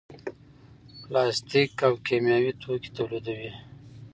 پلاستیک او کیمیاوي توکي تولیدوي.